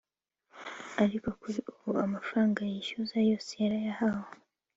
Ariko kuri ubu amafaranga yishyuzaga yose yarayahawe